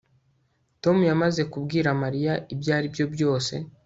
Tom yamaze kubwira Mariya ibyaribyo byose